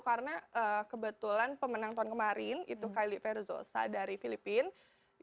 karena kebetulan pemenang tahun kemarin itu kylie verzosa dari filipina